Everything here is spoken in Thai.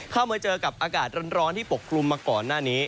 เข้ามาเจอกับอากาศร้อนที่ปกกลุ่มมาก่อนหน้านี้